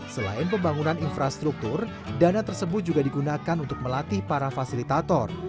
selain pembangunan infrastruktur dana tersebut juga digunakan untuk melatih para fasilitator